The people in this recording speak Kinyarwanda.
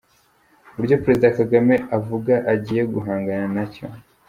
Uburyo perezida Kagame avuga agiye guhangana na cyo.